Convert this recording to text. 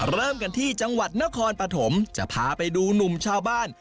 เริ่มกันที่จังหวัดนครปฐมจะพาไปดูหนุ่มชาวบ้าน